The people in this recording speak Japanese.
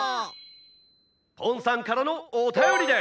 「ポンさんからのおたよりです」。